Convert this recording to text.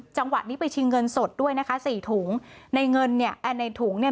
จังหวะนี้ไปชิงเงินสดด้วยนะคะสี่ถุงในเงินเนี่ยในถุงเนี่ย